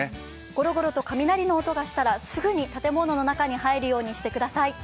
ゴロゴロと雷の音がしたら、すぐに建物の中に入るようにしてください。